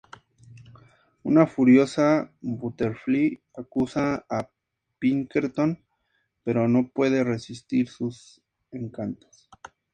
Una furiosa Butterfly acusa a Pinkerton, pero no puede resistir sus encantos.